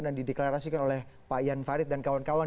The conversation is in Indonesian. dan dideklarasikan oleh pak yan farid dan kawan kawan